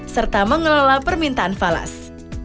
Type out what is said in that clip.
serta mengelola permintaan falas